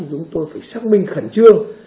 chúng tôi phải xác minh khẩn trương